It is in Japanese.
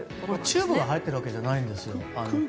チューブが入ってるわけじゃないんです。